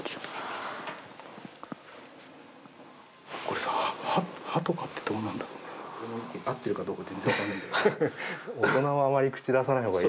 これさ歯とかってどうなんだろう？